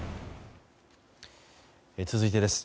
続いてです。